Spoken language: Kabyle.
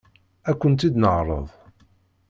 Ad kent-id-neɛṛeḍ.